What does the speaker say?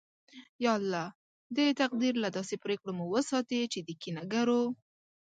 یا الله! د تقدیر له داسې پرېکړو مو وساتې چې د کینه گرو